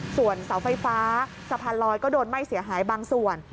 ส่วนเสาไฟฟ้าสะพานลอยก็โดนไหม้เสียหายบางส่วน